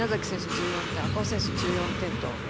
１４点、赤穂選手１４点と。